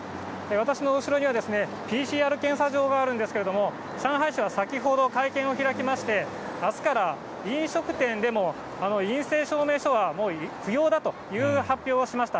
私の後ろには、ＰＣＲ検査場があるんですけれども、上海市は先ほど会見を開きまして、あすから飲食店でも、陰性証明書はもう不要だという発表をしました。